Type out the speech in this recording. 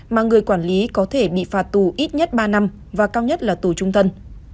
mà người quản lý có thể bị phạt tù ít nhất ba năm và cao nhất là tù trung thân